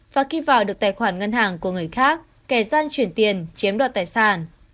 và khi vào được tài khoản ngân hàng của người khác kẻ gian chuyển tiền chiếm đoạt tài sản